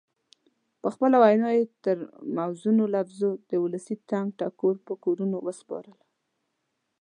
خپله وینا یې پر موزونو لفظونو د ولسي ټنګ ټکور په کورونو وسپارله.